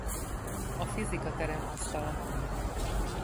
A fizikaterem asztala